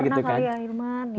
ya kita pernah kali ya ilman